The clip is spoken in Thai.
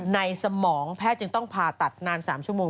สมองแพทย์จึงต้องผ่าตัดนาน๓ชั่วโมง